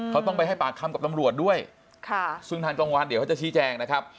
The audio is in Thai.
เขาต้องไปให้ปากคำกับตำรวจด้วยซึ่งทางกลางวันเดี๋ยวเขาจะชี้แจงนะครับ